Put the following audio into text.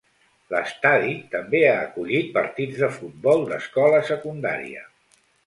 L'estadi també ha acollit partits de futbol d'escola secundària.